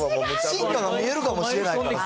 進化が見えるかもしれないからさ。